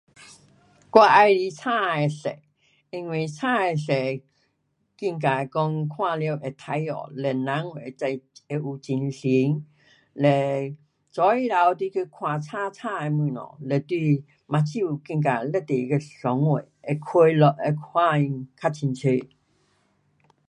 我喜欢青的色，因为青的色觉得讲看了会开心嘞人会知，会有精神。嘞早起头你去看青青的东西嘞你眼睛觉得非常的爽快，快乐会看见较清楚。